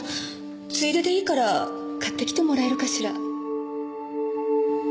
ついででいいから買ってきてもらえるかしら？